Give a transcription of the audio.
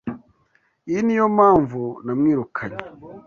Iyi niyo mpamvu namwirukanye.